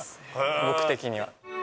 僕的には。